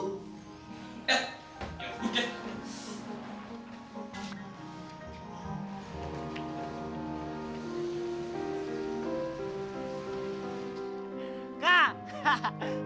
eh jangan bukit